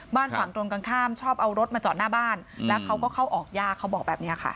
ฝั่งตรงกันข้ามชอบเอารถมาจอดหน้าบ้านแล้วเขาก็เข้าออกยากเขาบอกแบบนี้ค่ะ